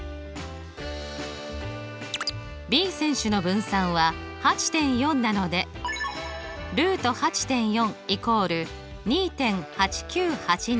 Ｂ選手の分散は８．４なのでルート８．４＝２．８９８２。